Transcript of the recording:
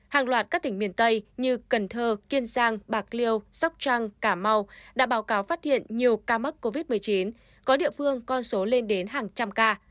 hàng loạt các tỉnh miền tây như cần thơ kiên giang bạc liêu sóc trăng cà mau đã báo cáo phát hiện nhiều ca mắc covid một mươi chín có địa phương con số lên đến hàng trăm ca